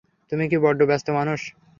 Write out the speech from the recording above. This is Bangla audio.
তুমি বড্ড ব্যস্ত মানুষ।